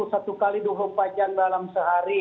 satu kali dua empat jam dalam sehari